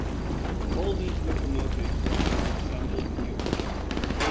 All these locomotives have been assembled in Europe.